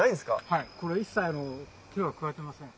はいこれ一切手は加えてません。